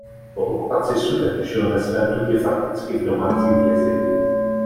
Po okupaci Sudet žil ve svém domě fakticky v domácím vězení.